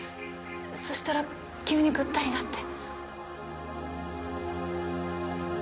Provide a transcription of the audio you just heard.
そしたら急にぐったりなって。